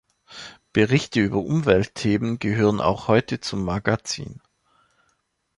Berichte über Umweltthemen gehören auch heute zum Magazin.